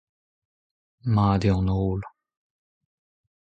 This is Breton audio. Mat eo an holl.